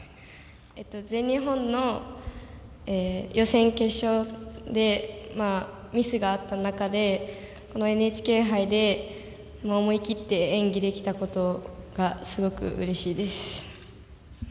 全日本の予選、決勝でミスがあった中でこのＮＨＫ杯で思い切って演技できたことがすごくうれしいです。